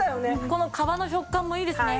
この皮の食感もいいですね。